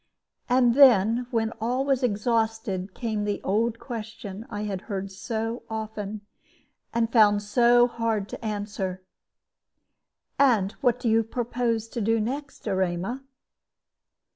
And then, when all was exhausted, came the old question I had heard so often, and found so hard to answer "And what do you propose to do next, Erema?"